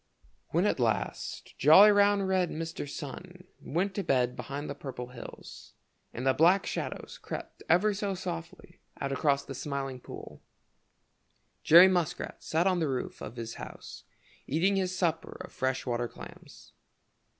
When at last jolly, round, red Mr. Sun went to bed behind the Purple Hills, and the black shadows crept ever so softly out across the Smiling Pool, Jerry Muskrat sat on the roof of his house eating his supper of fresh water clams.